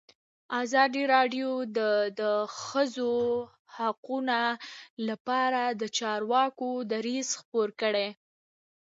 ازادي راډیو د د ښځو حقونه لپاره د چارواکو دریځ خپور کړی.